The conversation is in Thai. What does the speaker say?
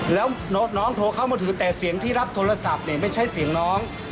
แล้วน้องโทรเข้ามาถือแต่เสียงที่รับโทรศัพท์เนี่ยไม่ใช่เสียงน้อง